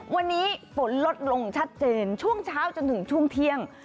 วันนี้ฝนลดลงชัดเจนช่วงเช้าจนถึงช่วงเที่ยง